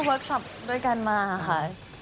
เวิร์คชับด้วยกันมาค่ะ